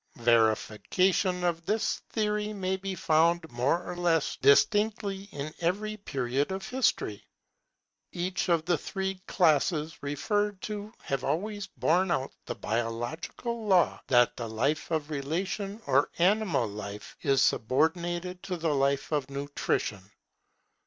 Verification of this theory may be found more or less distinctly in every period of history. Each of the three classes referred to have always borne out the biological law that the life of relation or animal life, is subordinated to the life of nutrition.